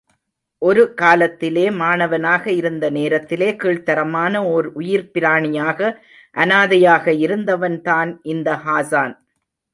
ஒரு காலத்திலே, மாணவனாக இருந்த நேரத்திலே கீழ்த்தரமான ஓர் உயிர்ப்பிராணியாக அனாதையாக இருந்தவன்தான் இந்த ஹாஸான்.